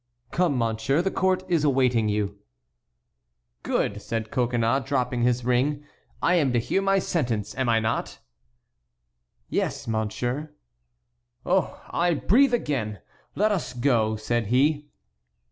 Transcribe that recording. "Come, monsieur, the court is awaiting you." "Good," said Coconnas, dropping his ring, "I am to hear my sentence, am I not?" "Yes, monsieur." "Oh! I breathe again; let us go," said he.